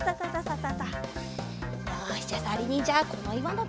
よしじゃあさりにんじゃこのいわのところへ。